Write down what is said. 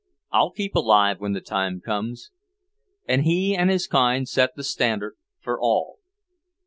"I'll keep alive when the time comes." And he and his kind set the standard for all.